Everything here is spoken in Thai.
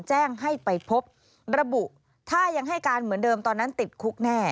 แจ้งให้ไปพบระบุถ้ายังให้การเหมือนเดิมตอนนั้นติดคุกแน่